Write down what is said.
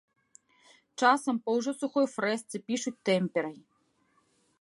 Часам па ўжо сухой фрэсцы пішуць тэмперай.